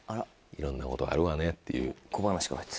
いろんなことあるわねっていう。